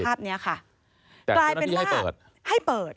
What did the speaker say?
ภาพเนี้ยค่ะให้เปิด